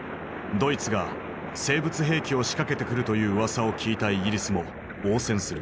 ドイツが生物兵器を仕掛けてくるといううわさを聞いたイギリスも応戦する。